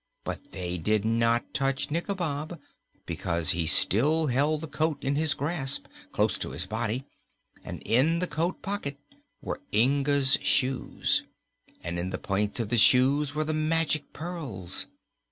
But they did not touch Nikobob, because he still held the coat in his grasp, close to his body, and in the coat pocket were Inga's shoes, and in the points of the shoes were the magic pearls.